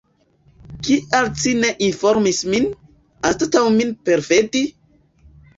Kial ci ne informis min, anstataŭ min perfidi?